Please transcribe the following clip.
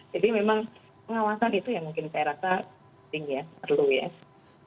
jadi memang pengawasan itu yang mungkin saya rasa penting ya